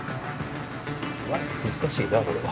難しいなこれは。